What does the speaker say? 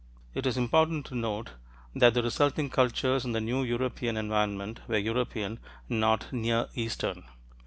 It is important to note that the resulting cultures in the new European environment were European, not Near Eastern.